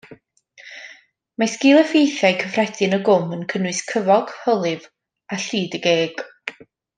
Mae sgil-effeithiau cyffredin y gwm yn cynnwys cyfog, hylif, a llid y geg.